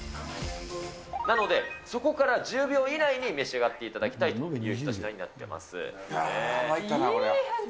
なので、そこから１０秒以内に召し上がっていただきたいという一まいったな、こりゃ。